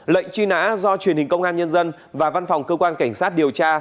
lệnh truy nã do truyền hình công an nhân dân và văn phòng cơ quan cảnh sát điều tra